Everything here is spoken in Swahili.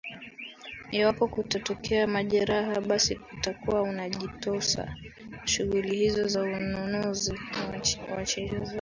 iwapo kutatokea majeraha basi atakuwa anajitosa katika shughuli hizo za ununuzi wa wachezaji